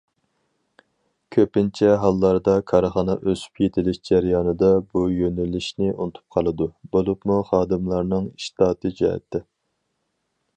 كۆپىنچە ھاللاردا كارخانا ئۆسۈپ يېتىلىش جەريانىدا بۇ يۆنىلىشنى ئۇنتۇپ قالىدۇ، بولۇپمۇ خادىملارنىڭ ئىشتاتى جەھەتتە.